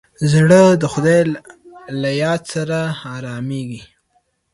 زړه د خدای له یاد سره ارامېږي.